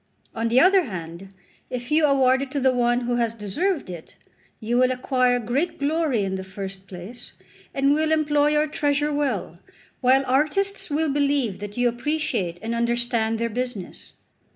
On the other hand, if you award it to the one who has deserved it, you will acquire great glory in the first place, and will employ your treasure well, while artists will believe that you appreciate and understand their business."